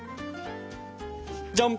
じゃん！